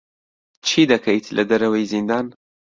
چی دەکەیت لە دەرەوەی زیندان؟